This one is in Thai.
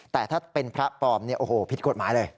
แต่ถ้าเป็นพระปลอมเนี่ยโอ้โหผิดกฎหมายเลย